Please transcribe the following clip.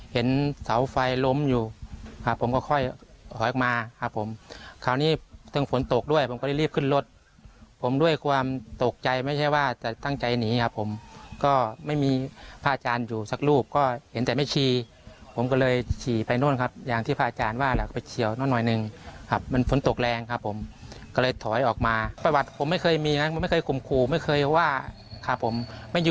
เห็นเสาไฟล้มอยู่ครับผมก็ค่อยหอยมาครับผม